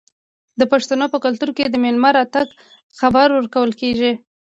د پښتنو په کلتور کې د میلمه د راتګ خبر ورکول کیږي.